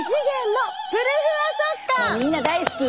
もうみんな大好き。